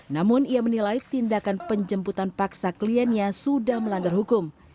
namun ia menilai tindakan penjemputan paksa kliennya sudah melanggar hukum